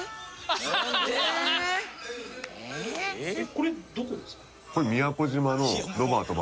これどこですか？